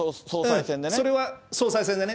それは総裁選でね。